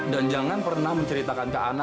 dan jangan pernah menceritakan ke ana